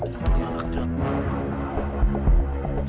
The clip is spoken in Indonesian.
mauny klub motor anak jalanan